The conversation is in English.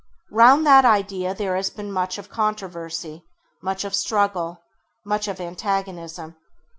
Round that idea there has been much of controversy, much of struggle, much of antagonism.